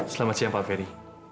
selamat siang pak ferry